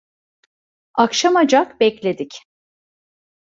Akşamacak bekledik…